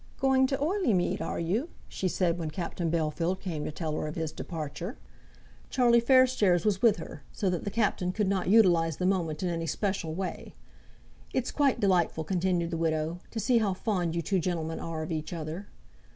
"Going to Oileymead; are you?" she said when Captain Bellfield came to tell her of his departure. Charlie Fairstairs was with her, so that the Captain could not utilize the moment in any special way. "It's quite delightful," continued the widow, "to see how fond you two gentlemen are of each other."